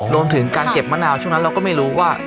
รวมถึงการเก็บมะนาวช่วงนั้นเราก็ไม่รู้ว่า